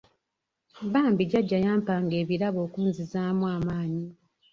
Bambi Jjajja yampanga ebirabo okunzizaamu amaanyi.